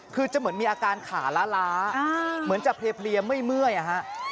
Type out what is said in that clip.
คือจะเหมือนมีอาการขาล้าเหมือนจะเพลียเมื่อยอะฮะ